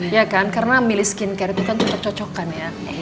ya kan karena milih skincare itu kan ketercocokan ya